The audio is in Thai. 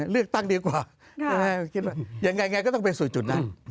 เลือกตั้งดีกว่าอย่างไรก็ต้องไปสู่จุดนั้น